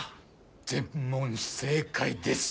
全問正解です。